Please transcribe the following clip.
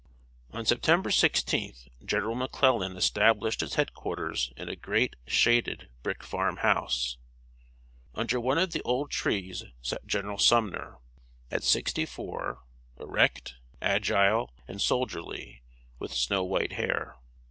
On September 16th, General McClellan established his head quarters in a great shaded brick farm house. Under one of the old trees sat General Sumner, at sixty four erect, agile, and soldierly, with snow white hair.